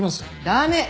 駄目！